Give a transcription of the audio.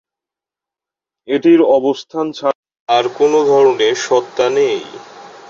এটির অবস্থান ছাড়া আর কোন ধরনের সত্তা নেই।